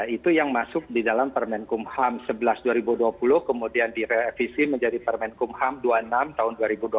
itu yang masuk di dalam permen kumham sebelas dua ribu dua puluh kemudian direvisi menjadi permen kumham dua puluh enam tahun dua ribu dua puluh